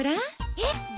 えっ？